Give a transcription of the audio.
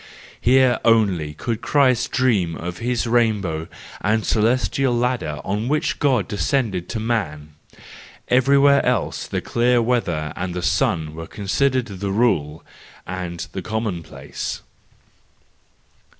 Here only could Christ dream of his rainbow and celestial ladder on which God descended to man; everywhere else the clear weather and the sun were considered the rule and the commonplace.